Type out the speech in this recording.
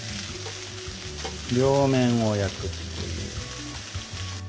両面を焼くっていう。